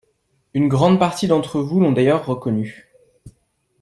Une grande partie d’entre vous l’ont d’ailleurs reconnu.